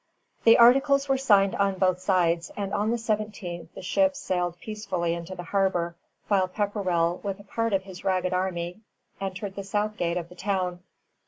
_] The articles were signed on both sides, and on the 17th the ships sailed peacefully into the harbor, while Pepperrell with a part of his ragged army entered the south gate of the town.